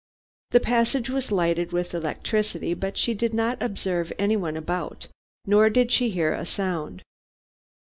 The passage was lighted with electricity, but she did not observe anyone about, nor did she hear a sound.